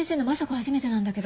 初めてなんだけど。